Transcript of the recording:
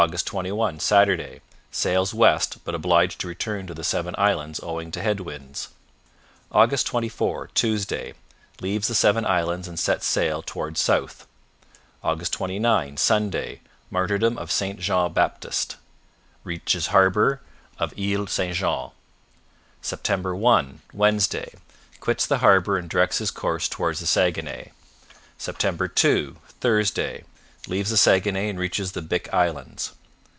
21 Saturday Sails west, but obliged to return to the Seven Islands owing to head winds. Aug. 24 Tuesday Leaves the Seven Islands and sets sail toward south. " 29 Sunday Martyrdom of St John Baptist. Reaches harbour of Isles St John. Sept. 1 Wednesday Quits the harbour and directs his course toward the Saguenay. " 2 Thursday Leaves the Saguenay and reaches the Bic Islands.